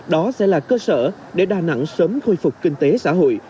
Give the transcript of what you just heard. đó sẽ là cơ sở để đà nẵng sớm khôi phục kinh tế xã hội